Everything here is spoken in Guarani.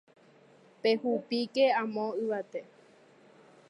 Pehupíke amo yvate